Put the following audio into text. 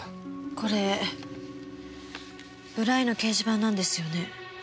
これブライの掲示板なんですよね？